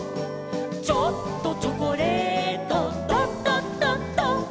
「ちょっとチョコレート」「ドドドド」